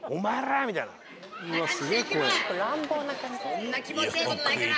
こんな気持ちええ事ないから。